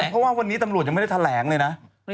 เพราะว่าวันนี้ตำรวจยังไม่ได้แถลงเลยนะ